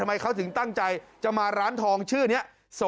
ทำไมเขาถึงตั้งใจจะมาร้านทองชื่อนี้